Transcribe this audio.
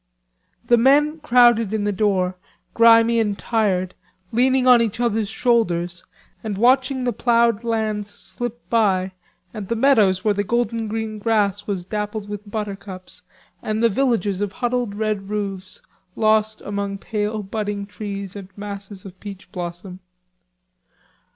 The men crowded in the door, grimy and tired, leaning on each other's shoulders and watching the plowed lands slip by and the meadows where the golden green grass was dappled with buttercups, and the villages of huddled red roofs lost among pale budding trees and masses of peach blossom.